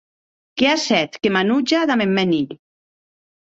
Qu’as hèt que m’anutja damb eth mèn hilh.